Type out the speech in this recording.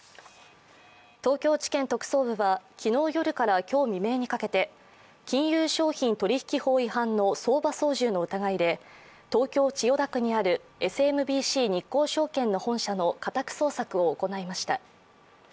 東京地検特捜部は昨日夜から今日未明にかけて金融商品取引法違反の相場操縦の疑いで東京・千代田区にあるＳＭＢＣ日興証券の本社の家宅捜索を行いました。